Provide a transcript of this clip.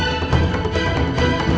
jangan usir kami pak